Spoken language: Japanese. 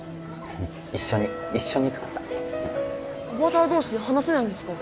一緒に一緒に作ったアバター同士で話せないんですか？